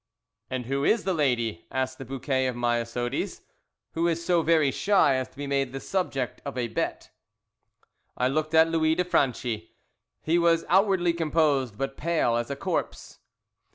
"And who is the lady," asked the bouquet of myosotis, "who is so very shy as to be made the subject of a bet?" I looked at Louis de Franchi. He was outwardly composed, but pale as a corpse.